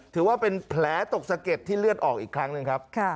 ถือว่าเป็นแผลตกสะเก็ดที่เลือดออกอีกครั้งหนึ่งครับ